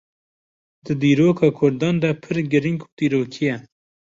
di dîroka Kurdan de pir girîng û dîrokî ye